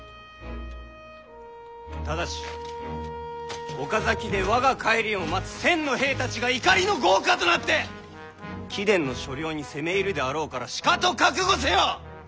ただし岡崎で我が帰りを待つ１，０００の兵たちが怒りの業火となって貴殿の所領に攻め入るであろうからしかと覚悟せよ！